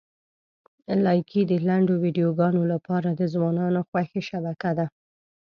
لایکي د لنډو ویډیوګانو لپاره د ځوانانو خوښې شبکه ده.